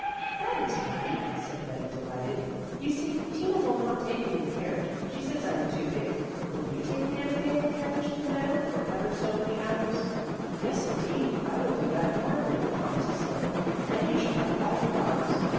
"That is right," said Betti, delighted. "You see, Tina will not take me in the carriage; she says I am too big. Will you take me every day in the carriage to the meadow for ever so many hours?" "Yes, indeed, I will do that gladly," promised Sami, "and you shall have all the flowers.